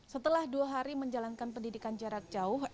setelah dua hari menjalankan pendidikan jarak jauh